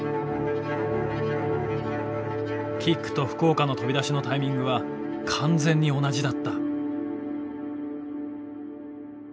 キックと福岡の飛び出しのタイミングは完全に同じだった。